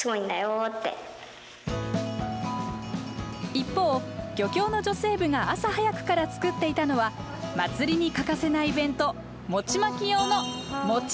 一方漁協の女性部が朝早くから作っていたのは祭りに欠かせないイベント餅まき用の餅。